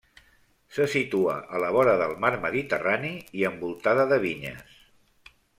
Se situa a la vora del mar Mediterrani i envoltada de vinyes.